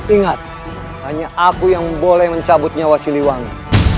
ingat hanya aku yang boleh mencabut nyawa siliwangi